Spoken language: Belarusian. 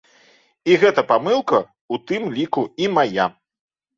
І гэта памылка ў тым ліку і мая.